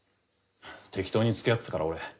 適当につきあってたから俺。